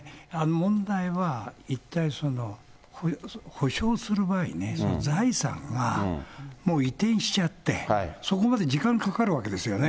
問題は、一体、補償する場合ね、その財産はもう移転しちゃって、そこまで時間かかるわけですよね。